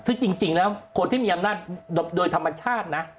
ซึ่งจริงแล้วคนที่มีอำนาจโดยธรรมชาตินะ